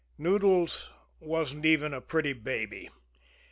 Noodles wasn't even a pretty baby.